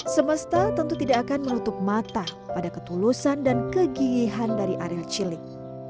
semesta tentu tidak akan menutup mata pada ketulusan dan kegigihan dari ariel cilik